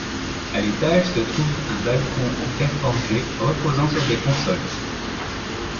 À l'étage se trouve un balcon en fer forgé reposant sur des consoles.